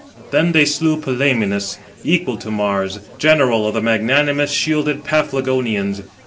Then they slew Pylæmenes, equal to Mars, general of the magnanimous shielded Paphlagonians.